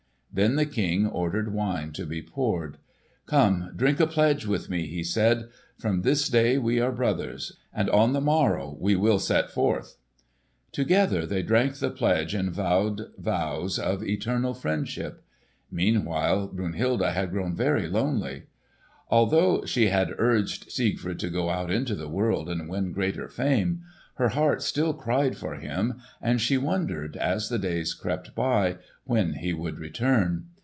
Then the King ordered wine to be poured. "Come, drink a pledge with me!" he said. "From this day we are brothers. And on the morrow we will set forth." Together they drank the pledge and vowed vows of eternal friendship. Meanwhile Brunhilde had grown very lonely. Although she had urged Siegfried to go out into the world and win greater fame, her heart still cried for him, and she wondered, as the days crept by, when he would return.